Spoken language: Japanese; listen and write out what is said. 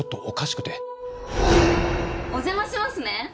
お邪魔しますね。